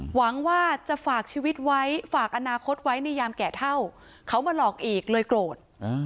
หวังว่าจะฝากชีวิตไว้ฝากอนาคตไว้ในยามแก่เท่าเขามาหลอกอีกเลยโกรธ